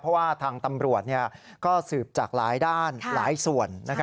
เพราะว่าทางตำรวจก็สืบจากหลายด้านหลายส่วน